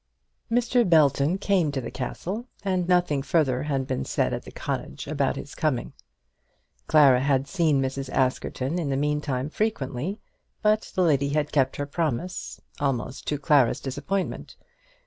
Mr. Belton came to the castle, and nothing further had been said at the cottage about his coming. Clara had seen Mrs. Askerton in the meantime frequently, but that lady had kept her promise almost to Clara's disappointment.